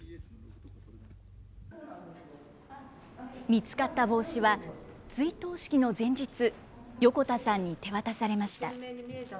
見つかった帽子は、追悼式の前日、横田さんに手渡されました。